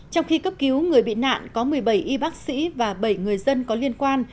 trong khi cấp cứu người bị nạn có một mươi bảy y bác sĩ và bảy người dân có liên quan